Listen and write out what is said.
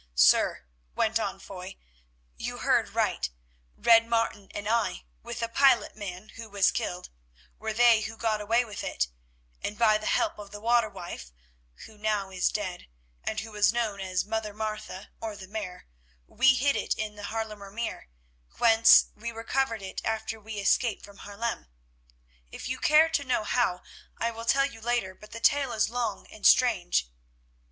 "Sir," went on Foy, "you heard right; Red Martin and I, with a pilot man who was killed, were they who got away with it, and by the help of the waterwife, who now is dead, and who was known as Mother Martha, or the Mare, we hid it in Haarlemer Meer, whence we recovered it after we escaped from Haarlem. If you care to know how, I will tell you later, but the tale is long and strange.